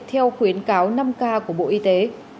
theo khuyến cáo năm k của bộ y tế